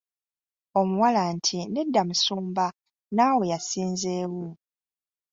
Omuwala nti “nedda musumba n'awo yasinzeewo”.